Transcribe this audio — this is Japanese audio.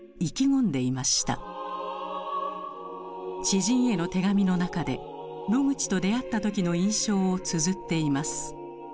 知人への手紙の中でノグチと出会った時の印象をつづっています。